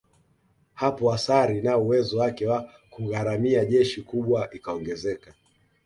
Hapo athari na uwezo wake wa kugharamia jeshi kubwa ikaongezeka